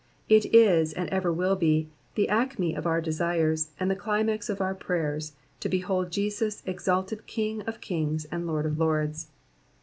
It is, and ever Mill be, the acme of our desires, and the climax of our prayers, to behold Jesus exalted King of kings and Lord of lords.